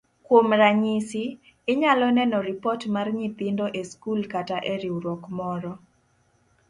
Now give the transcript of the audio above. Kuom ranyisi, inyalo neno ripot mar nyithindo e skul kata e riwruok moro.